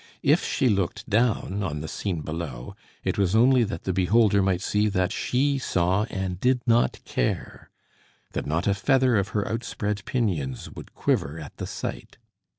If she looked down on the scene below, it was only that the beholder might see that she saw and did not care that not a feather of her outspread pinions would quiver at the sight.